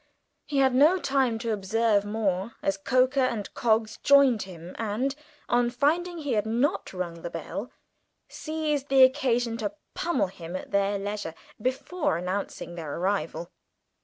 He had no time to observe more, as Coker and Coggs joined him, and, on finding he had not rung the bell, seized the occasion to pummel him at their leisure before announcing their arrival.